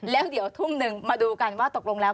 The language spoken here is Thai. แล้วเดี๋ยวทุ่มหนึ่งมาดูกันว่าตกลงแล้ว